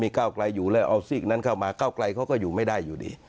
ก้าวไกลอยู่แล้วเอาซีกนั้นเข้ามาก้าวไกลเขาก็อยู่ไม่ได้อยู่ดี